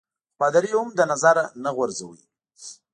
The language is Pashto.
خو پادري يي هم له نظره نه غورځاوه.